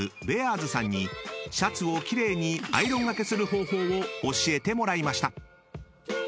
ベアーズさんにシャツを奇麗にアイロンがけする方法を教えてもらいました］